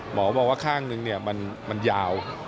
หมอบอกว่าข้างนึงมันยาว